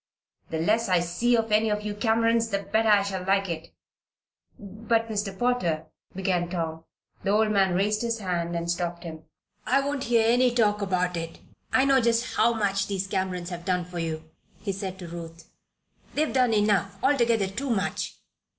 The less I see of any of you Camerons the better I shall like it." "But, Mr. Potter " began Tom. The old man raised his hand and stopped him. "I won't hear any talk about it. I know just how much these Camerons have done for you," he said to Ruth. "They've done enough altogether too much.